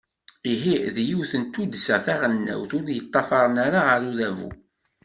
Ihi, d yiwet n tuddsa taɣelnawt ur yeṭṭafaren ara ɣer udabu.